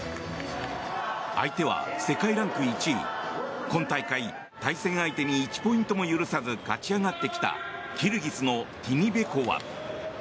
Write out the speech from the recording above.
相手は世界ランク１位今大会、対戦相手に１ポイントも許さず勝ち上がってきたキルギスのティニベコワ。